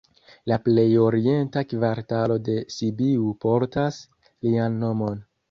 La plej orienta kvartalo de Sibiu portas lian nomon.